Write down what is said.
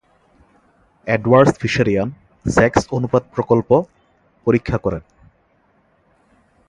Edwards Fisherian sex অনুপাত প্রকল্প পরীক্ষা করেন।